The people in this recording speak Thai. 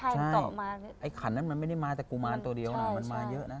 ฉันตอบไอ้ขันนั้นมันไม่ได้มาจากกุมารตัวเดียวนะมันมาเยอะนะ